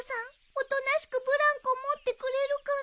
おとなしくブランコ持ってくれるかな？